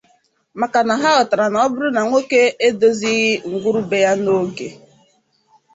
maka na ha ghọtara na ọ bụrụ na nwoke edozighị ngwuru be ya n'oge